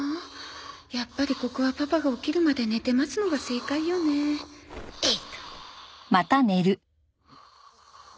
やっぱりここはパパが起きるまで寝て待つのが正解よねえい！